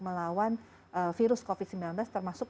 melawan virus covid sembilan belas termasuk